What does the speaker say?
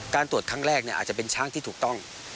ตรวจครั้งแรกอาจจะเป็นช้างที่ถูกต้อง